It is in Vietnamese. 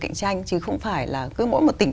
cạnh tranh chứ không phải là cứ mỗi một tỉnh